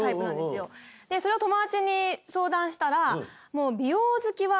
それを友達に相談したら。